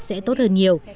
sẽ tốt hơn nhiều